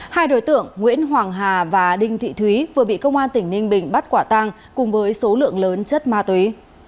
hai đối tượng nguyễn hoàng hà và đinh thị thúy vừa bị công an tỉnh ninh bình bắt quả tang cùng với số lượng lớn chất ma túy